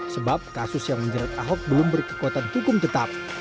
sebab kasus yang menjerat ahok belum berkekuatan hukum tetap